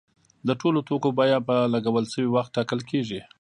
د ټولو توکو بیه په لګول شوي وخت ټاکل کیږي.